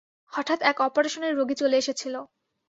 হঠাৎ এক অপারেশনের রোগী চলে এসেছিল।